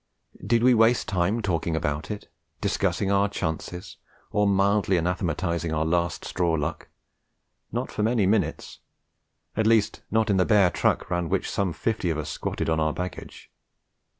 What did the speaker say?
Did we waste time talking about it, discussing our chances, or mildly anathematising our last straw luck? Not for many minutes; at least, not in the bare truck round which some fifty of us squatted on our baggage.